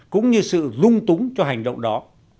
cũng như sự lung túng cho hành động đó